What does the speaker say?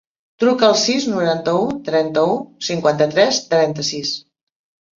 Truca al sis, noranta-u, trenta-u, cinquanta-tres, trenta-sis.